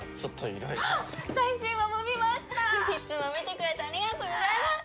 いつも見てくれてありがとうございます！